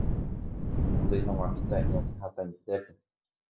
omondýi hag̃ua mitã'i akãhatãitépe.